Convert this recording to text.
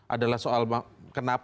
adalah soal kenapa